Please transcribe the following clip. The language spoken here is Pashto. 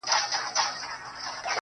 نه پر مسجد ږغېږم نه پر درمسال ږغېږم,